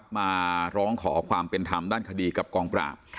มาร้องขอความเป็นธรรมด้านคดีกับกองปราบ